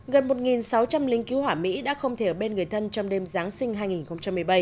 gần một sáu trăm linh lính cứu hỏa mỹ đã không thể ở bên người thân trong đêm giáng sinh hai nghìn một mươi bảy